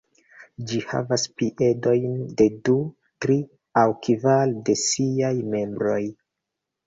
Ĝi havas piedojn de du, tri aŭ kvar de siaj membroj.